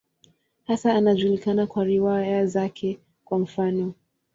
Hasa anajulikana kwa riwaya zake, kwa mfano.